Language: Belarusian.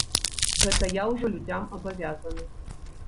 Гэта я ўжо людзям абавязаны.